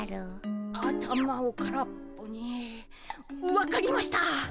分かりました。